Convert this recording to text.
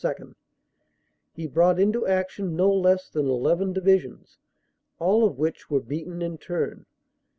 2 he brought into action no less than eleven divisions, all of which were beaten in turn.